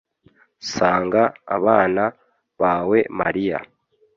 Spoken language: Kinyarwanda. sanga abana bawe mariya